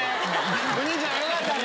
お兄ちゃんよかったね！